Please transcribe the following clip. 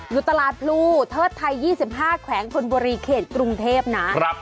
อยู่ตลาดปรูเทิดไทย๒๕แขวงพลบริเคชฯกรุงเทพนะ